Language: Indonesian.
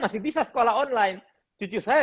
masih bisa sekolah online cucu saya